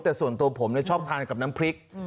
แต่ส่วนตัวผมชอบทานกับน้ำพริก